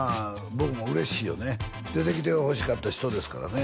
僕も嬉しいよね出てきてほしかった人ですからね